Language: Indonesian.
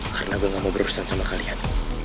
karena gue gak mau berurusan sama kalian